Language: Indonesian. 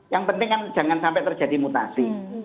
yang penting kan jangan sampai terjadi mutasi